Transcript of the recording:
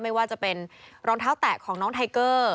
ไม่ว่าจะเป็นรองเท้าแตะของน้องไทเกอร์